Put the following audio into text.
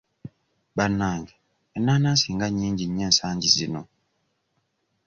Bannange enaanaansi nga nnyingi nnyo ensangi zino?